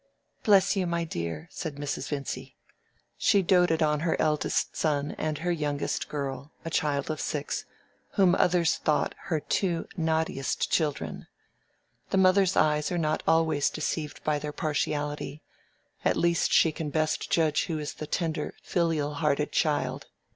"Bless you, my dear," said Mrs. Vincy. She doted on her eldest son and her youngest girl (a child of six), whom others thought her two naughtiest children. The mother's eyes are not always deceived in their partiality: she at least can best judge who is the tender, filial hearted child.